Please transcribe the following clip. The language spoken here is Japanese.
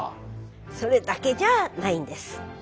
それだけじゃあないんです。